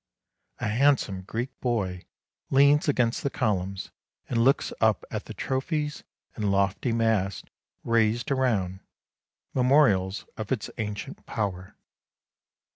A handsome Greek boy leans against the columns, and looks up at the trophies and lofty masts raised around, memorials of its ancient power.